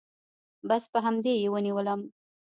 بس په همدې يې ونيولم.